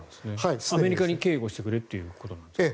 アメリカに警護してくれということですか。